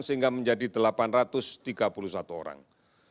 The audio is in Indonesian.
sehingga menjadi delapan ratus tiga puluh satu orang